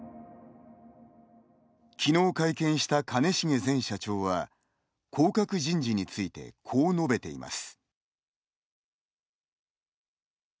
昨日会見した兼重前社長は降格人事についてこう述べています。